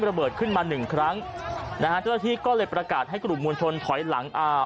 ระเบิดขึ้นมาหนึ่งครั้งนะฮะเจ้าหน้าที่ก็เลยประกาศให้กลุ่มมวลชนถอยหลังอ่า